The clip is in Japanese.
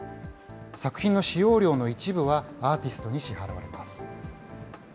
作品の使用料の一部はアーティストに支払われます。